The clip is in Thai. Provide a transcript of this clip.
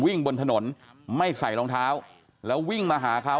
บนถนนไม่ใส่รองเท้าแล้ววิ่งมาหาเขา